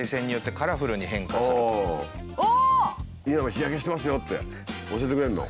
日焼けしてますよって教えてくれるの？